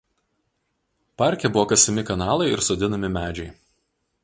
Parke buvo kasami kanalai ir sodinami medžiai.